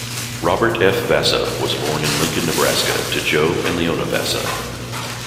Robert F. Vasa was born in Lincoln, Nebraska, to Joe and Leona Vasa.